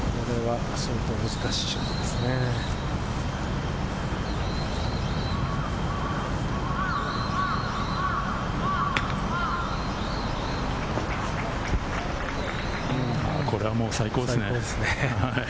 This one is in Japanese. これは相当難しいショットでこれはもう最高ですね。